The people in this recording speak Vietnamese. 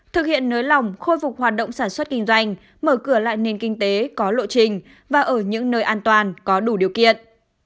thực hiện nới lỏng khôi phục hoạt động sản xuất kinh doanh mở cửa lại nền kinh tế có lộ trình và ở những nơi an toàn có đủ điều kiện